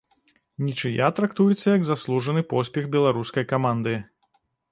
Нічыя трактуецца як заслужаны поспех беларускай каманды.